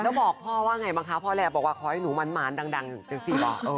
แล้วบอกพ่อว่าไงบ้างคะพ่อแรกบอกว่าเกี๋ยวนูหมานดังจึงสีเปล่า